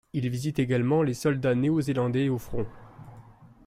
Il visite également les soldats néo-zélandais au front.